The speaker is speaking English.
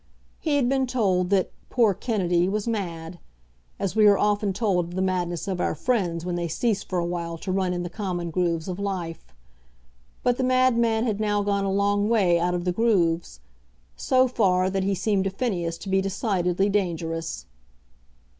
He had been told that "poor Kennedy" was mad, as we are often told of the madness of our friends when they cease for awhile to run in the common grooves of life. But the madman had now gone a long way out of the grooves; so far, that he seemed to Phineas to be decidedly dangerous.